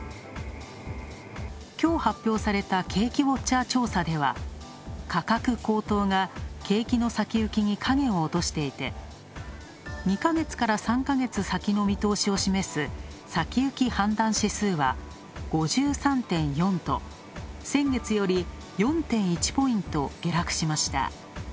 きょう発表された景気ウォッチャー調査では、価格高騰が景気の先行きにかげを落としていて、３か月先の見通しを示す先行き判断指数は５３．４と先月より４．１ポイント下落しました。